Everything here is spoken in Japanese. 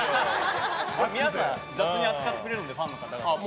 皆さん、雑に使ってくれるのでファンの方も。